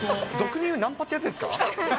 俗に言うナンパってやつですか？